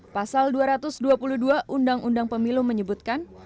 pasal dua ratus dua puluh dua undang undang pemilu menyebutkan